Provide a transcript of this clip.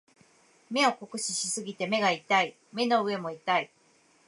目を酷使しすぎて目が痛い。目の上も痛い。